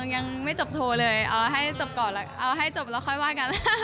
ยังไม่จบโทรเลยเอาให้จบแล้วค่อยว่ากัน